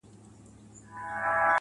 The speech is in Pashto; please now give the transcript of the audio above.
چي له سترگو څخه اوښكي راسي